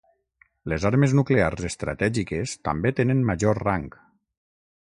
Les armes nuclears estratègiques també tenen major rang.